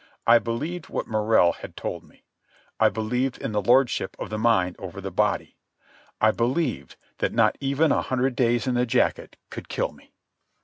I believed what Morrell had told me. I believed in the lordship of the mind over the body. I believed that not even a hundred days in the jacket could kill me.